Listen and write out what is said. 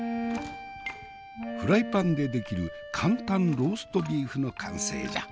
フライパンでできる簡単ローストビーフの完成じゃ。